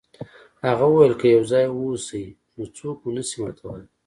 هغه وویل که یو ځای اوسئ نو څوک مو نشي ماتولی.